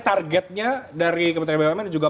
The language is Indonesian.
targetnya dari kementerian bumn dan juga